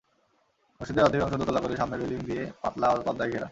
মসজিদের অর্ধেক অংশ দোতলা করে সামনে রেলিং দিয়ে পাতলা পর্দায় ঘেরা।